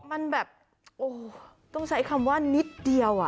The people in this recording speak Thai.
มันแบบโอ้โหต้องใช้คำว่านิดเดียว